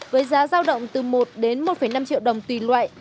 với giá giao động từ một đến một năm triệu đồng tùy loại